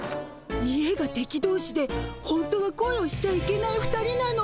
家が敵同士で本当は恋をしちゃいけない２人なの。